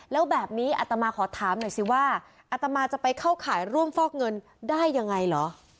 แล้วแบบนี้อัตมาขอถามหน่อยสิว่าอัตมาจะไปเข้าข่ายร่วมฟอกเงินได้ยังไงเหรอ